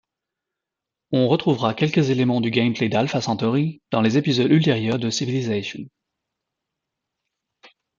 On retrouvera quelques éléments du gameplay d'Alpha Centauri dans les épisodes ultérieurs de Civilization.